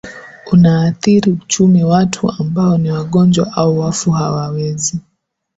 unaathiri uchumi Watu ambao ni wagonjwa au wafu hawawezi